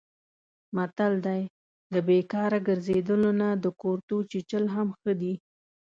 متل دی: له بیکاره ګرځېدلو نه د کورتو چیچل هم ښه دي.